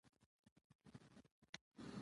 پامیر د افغانستان د سیلګرۍ برخه ده.